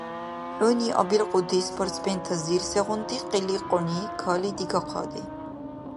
ХӀуни абилкьути спортсментазир сегъунти къиликъуни кали дигахъади?